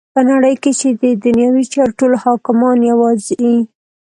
په نړی کی چی ددنیوی چارو ټول حاکمان یواځی